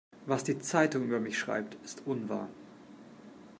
Was die Zeitung über mich schreibt, ist unwahr.